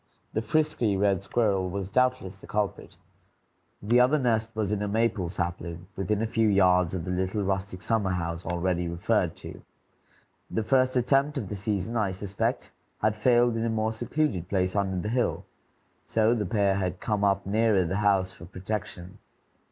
The frisky red squirrel was doubtless the culprit. The other nest was in a maple sapling, within a few yards of the little rustic summer house already referred to. The first attempt of the season, I suspect, had failed in a more secluded place under the hill; so the pair had come up nearer the house for protection.